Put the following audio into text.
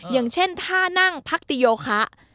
อย่างเช่นท่านั่งพักติโยคะ